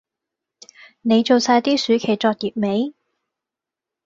你做曬啲暑期作業未？